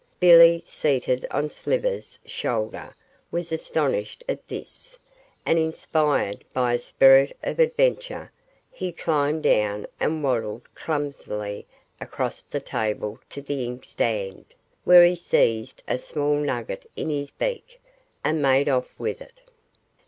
Billy, seated on Slivers' shoulder, was astonished at this, and, inspired by a spirit of adventure, he climbed down and waddled clumsily across the table to the inkstand, where he seized a small nugget in his beak and made off with it.